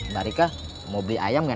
mbak rika mau beli ayam gak